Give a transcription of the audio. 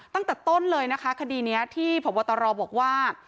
ตั้งแต่ต้นเลยนะคะคดีนี้ที่พบตรบอกว่า